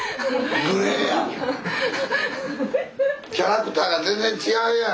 キャラクターが全然違うやん！